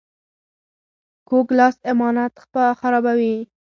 کوږ لاس امانت خرابوي